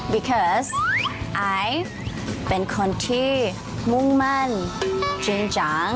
เคิร์สไอเป็นคนที่มุ่งมั่นจริงจัง